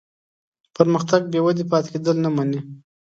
پرمختګ بېودې پاتې کېدل نه مني.